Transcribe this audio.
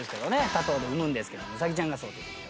多頭で産むんですけどウサギちゃんがそうという。